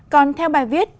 còn theo bài viết